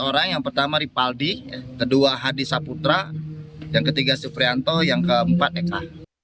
dua orang yang pertama ripaldi kedua hadi saputra yang ketiga suprianto yang keempat eka